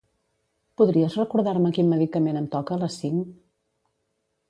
Podries recordar-me quin medicament em toca a les cinc?